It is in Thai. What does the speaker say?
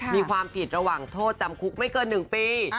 มีความผิดระหว่างโทษจำคุกไม่เกิน๑ปี